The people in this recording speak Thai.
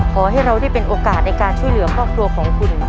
ขอให้เราได้เป็นโอกาสในการช่วยเหลือครอบครัวของคุณ